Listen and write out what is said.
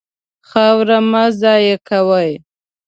خاوره مه ضایع کوئ.